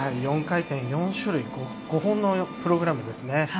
４回転、４種類５本のプログラムですね。